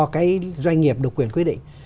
cái doanh nghiệp độc quyền quyết định